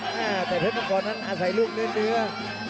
แต่เพชรมังกรนั้นอาศัยลูกเนื้อ